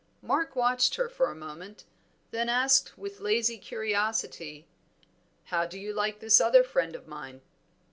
Mark watched her for a moment, then asked with lazy curiosity "How do you like this other friend of mine?"